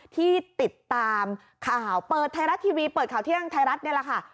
ที่ติดตามข่าวเปิดไทยรัฐทีวีเปิดข่าวเที่ยงไทยรัฐนี่แหละค่ะ